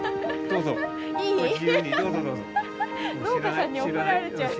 農家さんに怒られちゃう。